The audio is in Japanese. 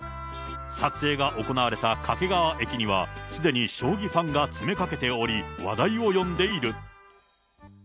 撮影が行われた掛川駅には、すでに将棋ファンが詰めかけており、話題を呼んでいる。